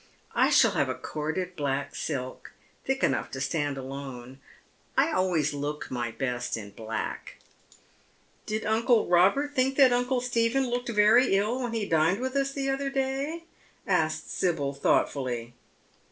I shall have a corded black silk, thick enough to stand alone. I always looked my best in black." " Did uncle Robert think that uncle Stephen looked very ill when he dined with us the other day ?" asks Sibyl thought fully.